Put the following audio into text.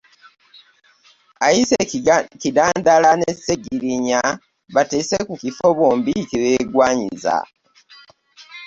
Ayise Kidandala ne Ssegirinnya bateese ku kifo bombi kye beegwanyiza.